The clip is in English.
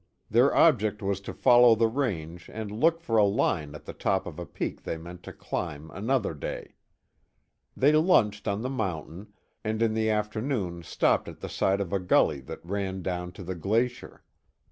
Their object was to follow the range and look for a line to the top of a peak they meant to climb another day. They lunched on the mountain, and in the afternoon stopped at the side of a gully that ran down to the glacier.